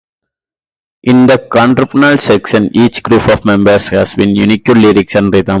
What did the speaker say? In the contrapuntal sections, each group member has a unique lyric and rhythm.